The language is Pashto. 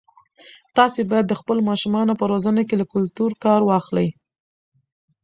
تاسي باید د خپلو ماشومانو په روزنه کې له کلتور کار واخلئ.